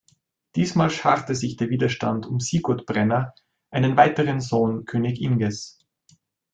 Diesmal scharte sich der Widerstand um Sigurd Brenna, einen weiteren Sohn König Inges.